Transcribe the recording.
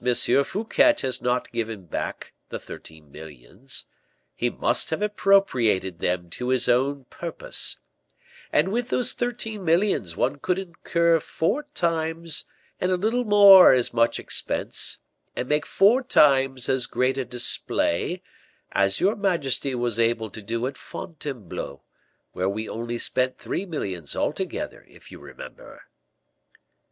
Fouquet has not yet given back the thirteen millions, he must have appropriated them to his own purpose; and with those thirteen millions one could incur four times and a little more as much expense, and make four times as great a display, as your majesty was able to do at Fontainebleau, where we only spent three millions altogether, if you remember."